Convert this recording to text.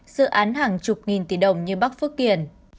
dự án hàng chục nghìn tỷ đồng như bắc phước kiển